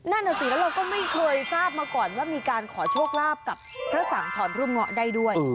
นั่นน่ะสิแล้วเราก็ไม่เคยทราบมาก่อนว่ามีการขอโชคลาภกับพระสังถอนรูปเงาะได้ด้วย